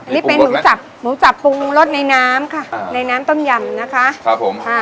มีปรุงบอกไหมหมูสับปรุงรสในน้ำค่ะอ่าในน้ำต้มยำนะคะครับผมค่ะ